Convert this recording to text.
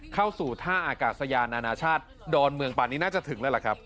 เข้าสู่ท่าอากาศยานานาชาติดอนเมืองป่านี้น่าจะถึงแล้วล่ะครับ